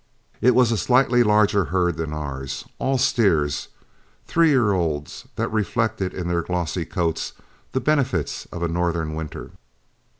It was a slightly larger herd than ours, all steers, three year olds that reflected in their glossy coats the benefits of a northern winter.